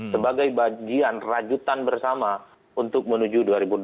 sebagai bagian rajutan bersama untuk menuju dua ribu dua puluh